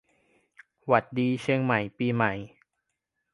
หวัดดีเชียงใหม่ปีใหม่